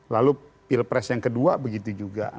lalu pilpres yang kedua begitu juga